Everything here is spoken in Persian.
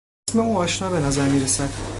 اسم او آشنا به نظر میرسد.